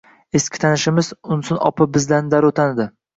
Eski tanishimiz —Unsin opa bizlarni darrov tanidi.